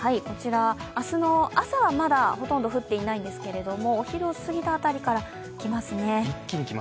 こちら、明日の朝はまだほとんど降っていないんですがお昼をすぎた辺りから来ますね。